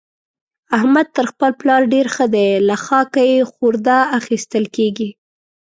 احمد تر خپل پلار ډېر ښه دی؛ له خاکه يې خورده اخېستل کېږي.